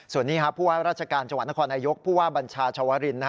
ส่วนนี้ครับผู้ว่าราชการจังหวัดนครนายกผู้ว่าบัญชาชาวริน